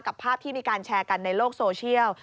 ภาพที่มีการแชร์กันในโลกโซเชียล